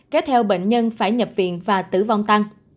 kéo theo bệnh nhân phải nhập viện và tử vong tăng